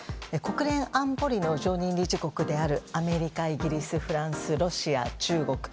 国連安保理の常任理事国であるアメリカ、イギリスフランス、ロシア、中国